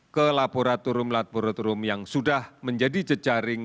ke laboratorium laboratorium yang sudah menjadi jejaring